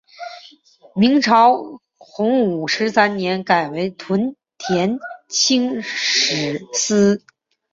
明朝洪武十三年改为屯田清吏司。